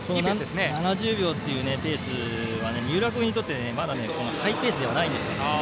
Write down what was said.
７０秒というペースが三浦君にとってまだハイペースではないんです。